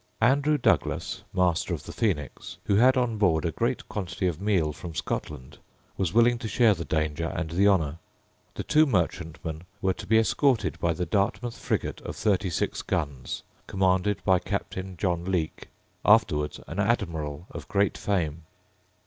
Andrew Douglas, master of the Phoenix, who had on board a great quantity of meal from Scotland, was willing to share the danger and the honour. The two merchantmen were to be escorted by the Dartmouth frigate of thirty six guns, commanded by Captain John Leake, afterwards an admiral of great fame.